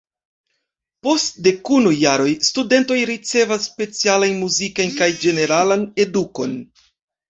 Post dekunu jaroj studentoj ricevas specialajn muzikan kaj ĝeneralan edukon.